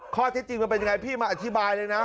ข้อเท็จจริงมันเป็นยังไงพี่มาอธิบายเลยนะ